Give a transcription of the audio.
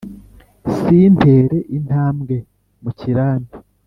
Sintere intambwe mu kirambi